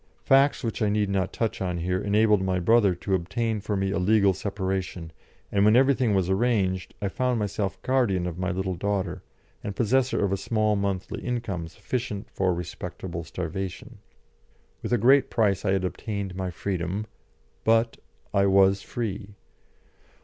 Facts which I need not touch on here enabled my brother to obtain for me a legal separation, and when everything was arranged, I found myself guardian of my little daughter, and possessor of a small monthly income sufficient for respectable starvation. With a great price I had obtained my freedom, but I was free.